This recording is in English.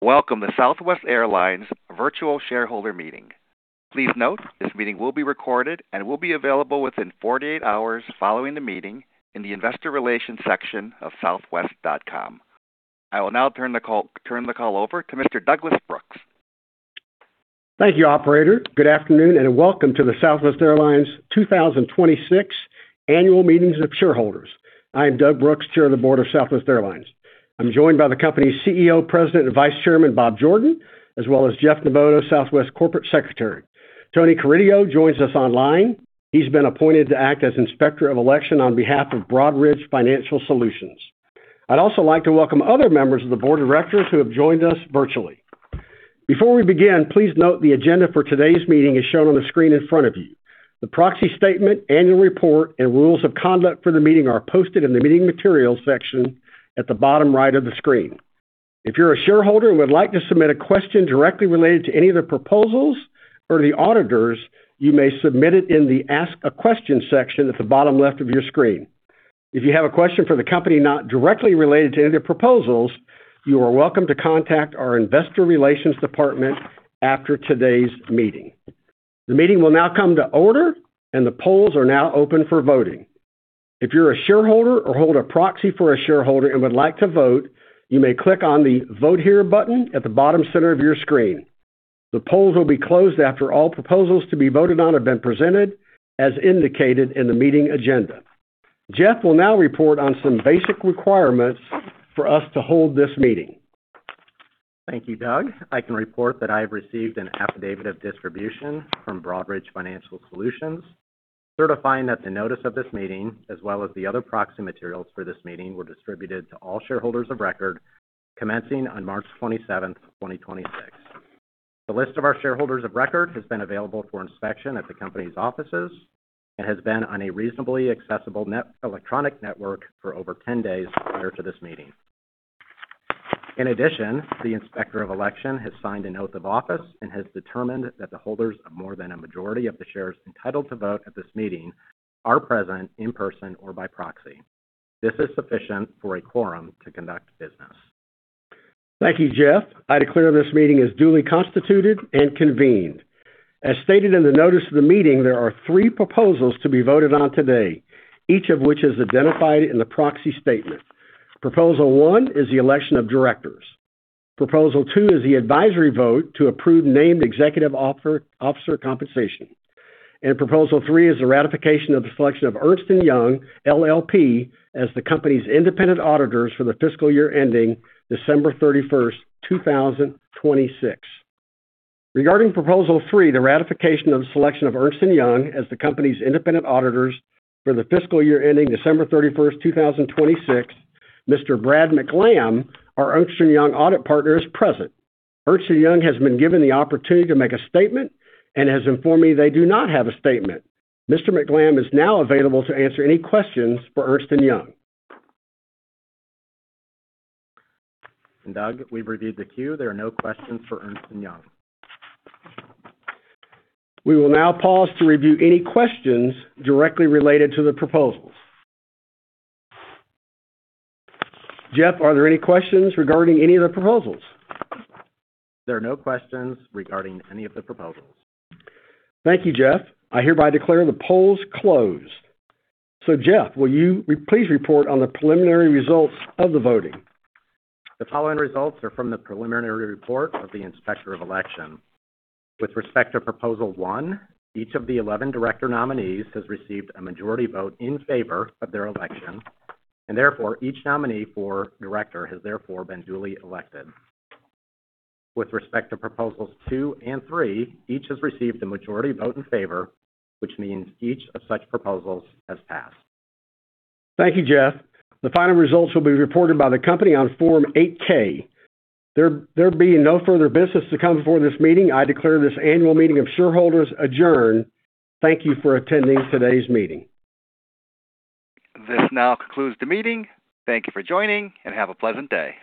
Welcome to Southwest Airlines virtual shareholder meeting. Please note this meeting will be recorded and will be available within 48 hours following the meeting in the Investor Relations section of southwest.com. I will now turn the call over to Mr. Douglas Brooks. Thank you, operator. Good afternoon, welcome to the Southwest Airlines 2026 annual meetings of shareholders. I am Doug Brooks, Chair of the Board of Southwest Airlines. I'm joined by the company's CEO, President, and Vice Chairman, Bob Jordan, as well as Jeff Novota, Southwest Corporate Secretary. Tony Caridi joins us online. He's been appointed to act as Inspector of Election on behalf of Broadridge Financial Solutions. I'd also like to welcome other members of the board of directors who have joined us virtually. Before we begin, please note the agenda for today's meeting is shown on the screen in front of you. The proxy statement, annual report, and rules of conduct for the meeting are posted in the Meeting Materials section at the bottom right of the screen. If you're a shareholder and would like to submit a question directly related to any of the proposals or the auditors, you may submit it in the Ask a Question section at the bottom left of your screen. If you have a question for the company not directly related to any of the proposals, you are welcome to contact our Investor Relations department after today's meeting. The meeting will now come to order, and the polls are now open for voting. If you're a shareholder or hold a proxy for a shareholder and would like to vote, you may click on the Vote Here button at the bottom center of your screen. The polls will be closed after all proposals to be voted on have been presented, as indicated in the meeting agenda. Jeff will now report on some basic requirements for us to hold this meeting. Thank you, Doug. I can report that I have received an affidavit of distribution from Broadridge Financial Solutions certifying that the notice of this meeting, as well as the other proxy materials for this meeting, were distributed to all shareholders of record commencing on March 27th, 2026. The list of our shareholders of record has been available for inspection at the company's offices and has been on a reasonably accessible electronic network for over 10 days prior to this meeting. The Inspector of Election has signed an oath of office and has determined that the holders of more than a majority of the shares entitled to vote at this meeting are present in person or by proxy. This is sufficient for a quorum to conduct business. Thank you, Jeff. I declare this meeting is duly constituted and convened. As stated in the notice of the meeting, there are three proposals to be voted on today, each of which is identified in the proxy statement. Proposal one is the election of directors. Proposal two is the advisory vote to approve named executive officer compensation. Proposal three is the ratification of the selection of Ernst & Young LLP as the company's independent auditors for the fiscal year ending December 31st, 2026. Regarding proposal three, the ratification of the selection of Ernst & Young as the company's independent auditors for the fiscal year ending December 31st, 2026, Mr. Brad McLamb, our Ernst & Young audit partner, is present. Ernst & Young has been given the opportunity to make a statement and has informed me they do not have a statement. Mr. McLamb is now available to answer any questions for Ernst & Young. Doug, we've reviewed the queue. There are no questions for Ernst & Young. We will now pause to review any questions directly related to the proposals. Jeff, are there any questions regarding any of the proposals? There are no questions regarding any of the proposals. Thank you, Jeff. I hereby declare the polls closed. Jeff, will you please report on the preliminary results of the voting. The following results are from the preliminary report of the Inspector of Election. With respect to proposal one, each of the 11 director nominees has received a majority vote in favor of their election, and therefore, each nominee for director has therefore been duly elected. With respect to proposals two and three, each has received a majority vote in favor, which means each of such proposals has passed. Thank you, Jeff. The final results will be reported by the company on Form 8-K. There being no further business to come before this meeting, I declare this annual meeting of shareholders adjourned. Thank you for attending today's meeting. This now concludes the meeting. Thank you for joining, and have a pleasant day.